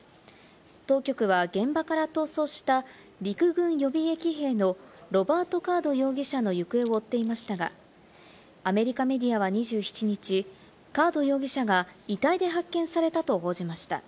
当局は現場から逃走した陸軍予備役兵のロバート・カード容疑者の行方を追っていましたが、アメリカメディアは２７日、カード容疑者が遺体で発見されたと報じました。